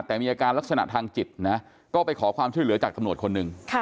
แต่มีอาการลักษณะทางจิตนะก็ไปขอความช่วยเหลือจากตำรวจคนหนึ่ง